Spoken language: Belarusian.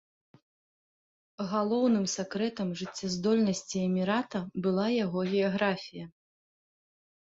Галоўным сакрэтам жыццяздольнасці эмірата была яго геаграфія.